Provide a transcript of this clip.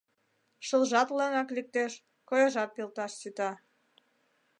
Шылжат лыҥак лектеш, кояжат пелташ сита.